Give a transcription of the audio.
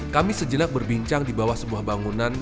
kami sejenak berbincang di bawah sebuah bangunan